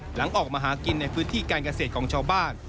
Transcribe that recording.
หลังออกมาหากินในพื้นที่การเกษตรของชาวบ้าน